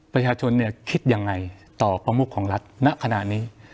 ประชาชนคิดยังไงต่อประมุขของรัฐณขณะนี้